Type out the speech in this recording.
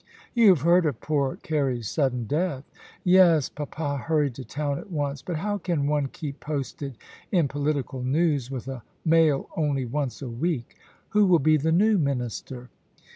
You have heard of poor Carey's sudden death ?Yes ; papa hurried to town at once ; but how can one keep posted in political news with a mail only once a week ? Who will be the new Minister